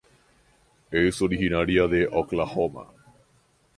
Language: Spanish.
Es originaria de Oklahoma.